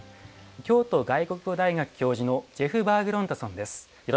京都外国語大学教授のジェフ・バーグランドさんです。